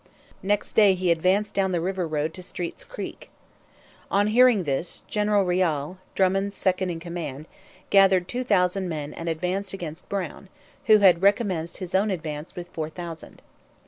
Next day he advanced down the river road to Street's Creek. On hearing this, General Riall, Drummond's second in command, gathered two thousand men and advanced against Brown, who had recommenced his own advance with four thousand.